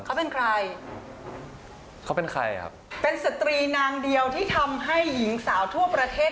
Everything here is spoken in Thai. เขาเป็นใครเขาเป็นใครครับเป็นสตรีนางเดียวที่ทำให้หญิงสาวทั่วประเทศ